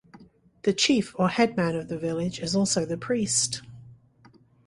The chief or headman of the village is also the priest.